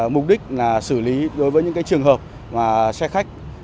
mục đích là xử lý đối với những cái trường hợp mà xe khách